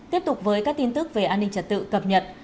tiếp tục với các tin tức về an ninh trật tự cập nhật